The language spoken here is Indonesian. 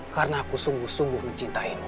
karena aku sungguh sungguh mencintainmu